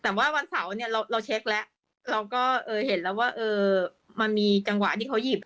แต่ว่าวันเสาร์เนี่ยเราเช็คแล้วเราก็เห็นแล้วว่ามันมีจังหวะที่เขาหยิบ